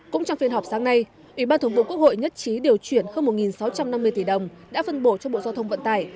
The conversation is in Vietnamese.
cũng trong phiên họp sáng nay ủy ban thường vụ quốc hội nhất trí điều chuyển hơn một sáu trăm năm mươi tỷ đồng đã phân bổ cho bộ giao thông vận tải